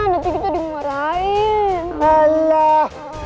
nanti kita dimarahin